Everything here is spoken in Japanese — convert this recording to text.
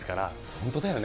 本当だよね。